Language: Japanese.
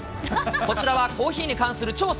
こちらはコーヒーに関する調査。